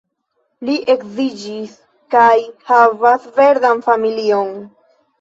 Li edziĝis kaj havas verdan familion.